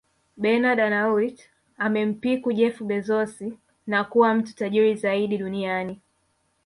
Bernard Arnault amempiku Jeff Bezos na kuwa mtu tajiri zaidi duniani